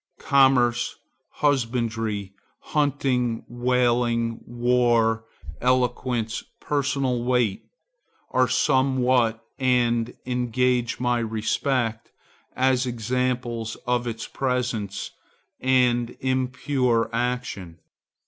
Commerce, husbandry, hunting, whaling, war, eloquence, personal weight, are somewhat, and engage my respect as examples of its presence and impure action.